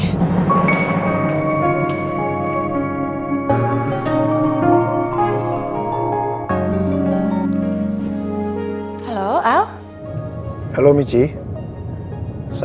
tidak ada yang bisa dikira